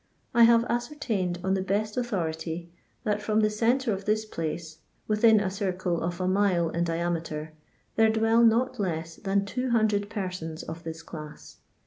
I have ascertained on the best au thority, that from the centre of this place, within a circle of a mile in diameter, there dwell not less than 200 persons of this class.